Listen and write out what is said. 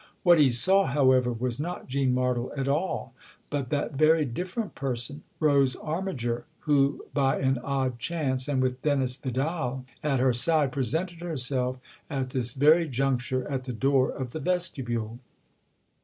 What he saw, however, was not Jean Martle at all, but that very different person Rose Armiger, who, by an odd chance and with Dennis Vidal at her side, presented herself at this very juncture at the door of the vestibule.